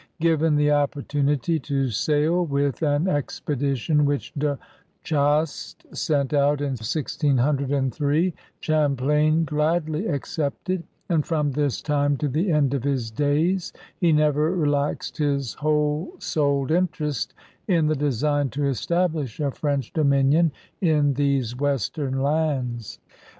Given the opportunity to sail with an expedition which De Chastes sent out in 160S, Champlain gladly accepted and from this time to the end of his days he never relaxed his whole souled interest in the design to establish a French dominion in these western lands.